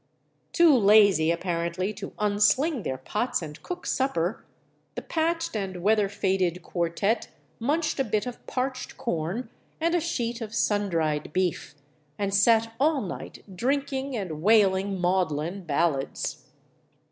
Too lazy apparently to unsling their pots and cook supper, the patched and weather faded quartet munched a bit of parched corn and a sheet of sun dried beef, and sat all night drinking and wailing maudlin ballads.